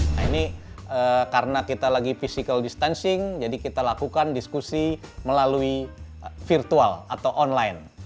nah ini karena kita lagi physical distancing jadi kita lakukan diskusi melalui virtual atau online